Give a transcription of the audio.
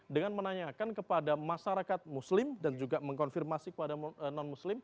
dengan menanyakan kepada masyarakat muslim dan juga mengkonfirmasikan